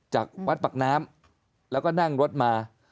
จากวัดปากน้ำแล้วก็นั่งรถมา